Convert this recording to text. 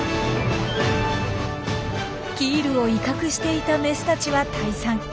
キールを威嚇していたメスたちは退散。